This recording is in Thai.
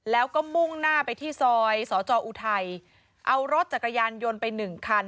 แล้วก็มุ่งหน้าไปที่ซอยสจอุทัยเอารถจักรยานยนต์ไปหนึ่งคัน